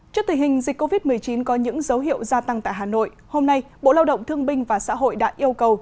trước tình hình dịch covid một mươi chín có những dấu hiệu gia tăng tại hà nội hôm nay bộ lao động thương binh và xã hội đã yêu cầu